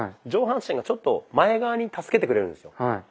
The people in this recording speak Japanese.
上半身がちょっと前側に助けてくれるんですよ。